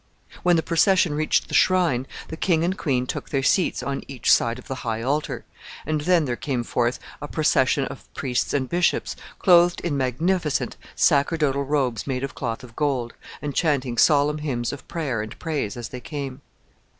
When the procession reached the shrine, the king and queen took their seats on each side of the high altar, and then there came forth a procession of priests and bishops, clothed in magnificent sacerdotal robes made of cloth of gold, and chanting solemn hymns of prayer and praise as they came.